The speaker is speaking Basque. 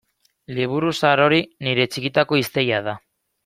Liburu zahar hori nire txikitako hiztegia da.